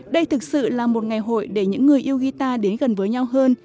đây thực sự là một ngày hội để những người yêu guitar đến gần với nhau hơn